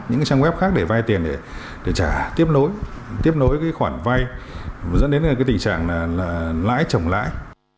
những cái trang web khác để vay tiền để trả tiếp nối tiếp nối cái khoản vay dẫn đến cái tình trạng là lãi trồng lãi